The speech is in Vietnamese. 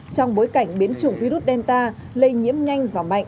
trong bối cảnh biến chủng virus delta lây nhiễm nhanh và mạnh